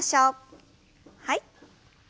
はい。